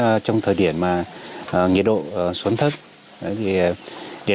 đặc biệt là trong thời điểm nhiệt độ xuống thấp để đảm bảo cho châu bò